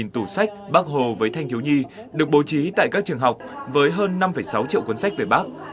năm mươi năm tủ sách bác hồ với thanh hiếu nhi được bổ trí tại các trường học với hơn năm sáu triệu cuốn sách về bác